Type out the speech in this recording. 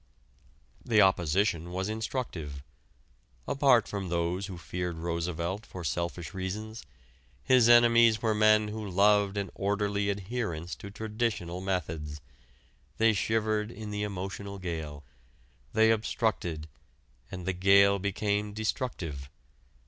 The opposition was instructive. Apart from those who feared Roosevelt for selfish reasons, his enemies were men who loved an orderly adherence to traditional methods. They shivered in the emotional gale; they obstructed and the gale became destructive.